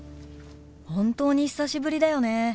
本当に久しぶりだよね。